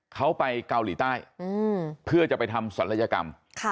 เขาไปเกาหลีใต้เพื่อจะไปทำศัลยกรรม